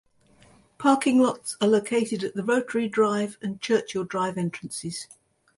Parking lots are located at the Rotary Drive and Churchill Drive entrances.